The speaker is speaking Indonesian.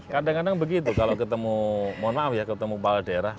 kadang kadang begitu kalau ketemu mohon maaf ya ketemu kepala daerah